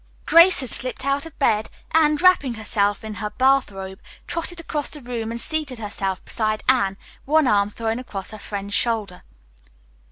Grace had slipped out of bed, and, wrapping herself in her bath robe, trotted across the room and seated herself beside Anne, one arm thrown across her friend's shoulder.